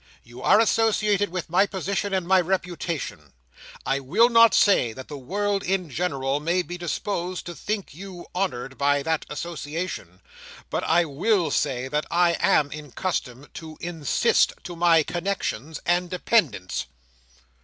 You are associated with my position and my reputation. I will not say that the world in general may be disposed to think you honoured by that association; but I will say that I am accustomed to 'insist,' to my connexions and dependents."